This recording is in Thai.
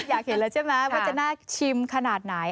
อยากเห็นเลยใช่ไหมว่าจะน่าชิมขนาดไหน